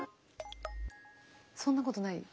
そんなことない？